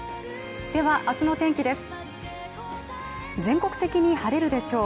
では明日の天気です。